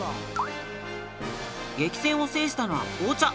激戦を制したのは紅茶。